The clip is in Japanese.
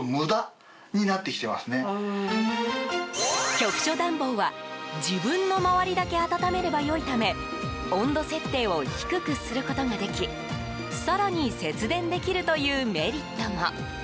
局所暖房は自分の周りだけ温めれば良いため温度設定を低くすることができ更に節電できるというメリットも。